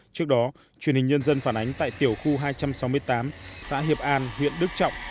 trước đó truyền hình nhân dân phản ánh tại tiểu khu hai trăm sáu mươi tám xã hiệp an huyện đức trọng